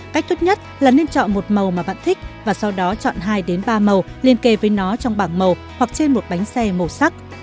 cách tốt nhất là nên chọn một màu mà bạn thích và sau đó chọn hai ba màu liên kề với nó trong bảng màu hoặc trên một bánh xe màu sắc